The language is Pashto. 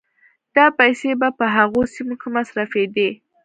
دا پيسې به په هغو سيمو کې مصرفېدې